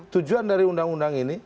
tujuan dari undang undang ini